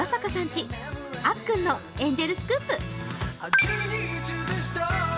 家、あっくんのエンジェルスクープ。